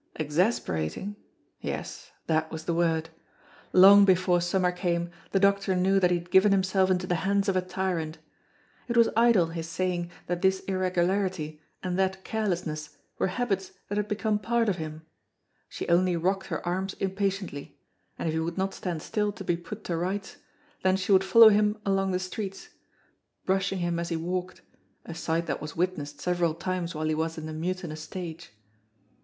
Exasperating? Yes, that was the word. Long before summer came, the doctor knew that he had given himself into the hands of a tyrant. It was idle his saying that this irregularity and that carelessness were habits that had become part of him; she only rocked her arms impatiently, and if he would not stand still to be put to rights, then she would follow him along the street, brushing him as he walked, a sight that was witnessed several times while he was in the mutinous stage.